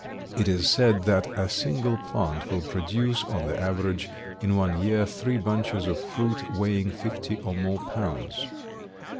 It is said that a single plant will produce, on the average, in one year three bunches of fruit weighing fifty or more pounds.